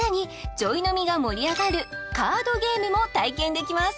ちょい飲みが盛り上がるカードゲームも体験できます